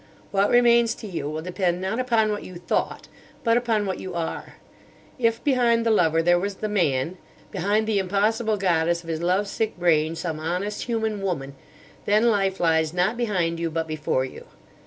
What remains to you will depend not upon what you thought, but upon what you are. If behind the lover there was the man—behind the impossible goddess of his love sick brain some honest, human woman, then life lies not behind you, but before you.